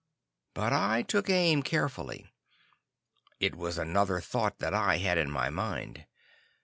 But I took aim carefully. It was another thought that I had in my mind.